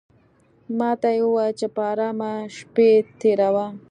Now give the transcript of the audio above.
ماته یې وویل چې په آرامه شپې تېروه.